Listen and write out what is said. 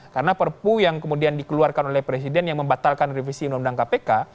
karena perpu yang kemudian dikeluarkan oleh presiden yang membatalkan revisi undang undang kpk